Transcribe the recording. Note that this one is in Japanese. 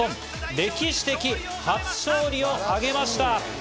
歴史的初勝利を挙げました。